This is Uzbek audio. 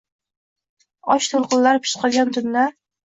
Och to’lqinlar pishqirgan tunda